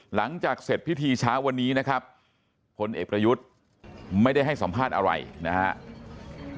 หลังจากเสร็จพิธีเช้าวันนี้นะครับพลเอกประยุทธ์ไม่ได้ให้สัมภาษณ์อะไรนะครับ